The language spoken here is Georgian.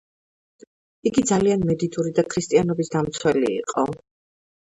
იგი ძალიან მედიდური და ქრისტიანობის დამცველი იყო.